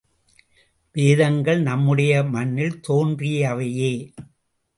வேதங்கள் நம்முடைய மண்ணில் தோன்றியவையே!